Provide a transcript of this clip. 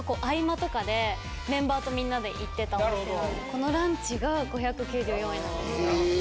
このランチが５９４円なんですよ。え！